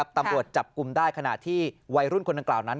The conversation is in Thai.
ตำรวจจับกลุ่มได้ขณะที่วัยรุ่นคนดังกล่าวนั้น